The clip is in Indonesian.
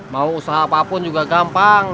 mau usaha apapun juga gampang